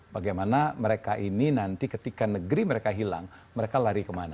bagaimana mereka ini nanti ketika negeri mereka hilang mereka lari kemana